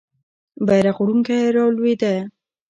بیرغ وړونکی رالوېده.